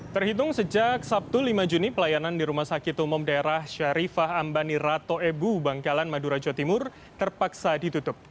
terhitung sejak sabtu lima juni pelayanan di rumah sakit umum daerah syarifah ambani rato ebu bangkalan madura jawa timur terpaksa ditutup